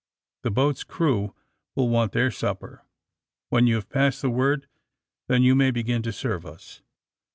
The boat's crew will want their supper. When you have passed the word then you may begin to serve us.